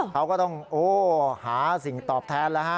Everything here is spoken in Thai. เขาก็ต้องหาสิ่งตอบแทน